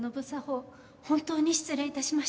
本当に失礼いたしました。